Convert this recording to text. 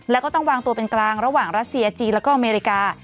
แล้วก็ต้องวางตัวเป็นกลางระหว่างรัสเซียจีนแล้วก็อเมริกา